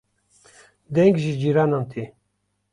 deng ji cîranan tê